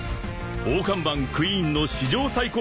［大看板クイーンの史上最高傑作